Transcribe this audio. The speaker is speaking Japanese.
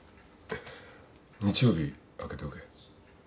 日曜日空けておけ。